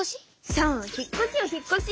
そう引っこしよ引っこし！